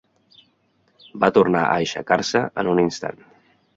Va tornar a aixecar-se en un instant.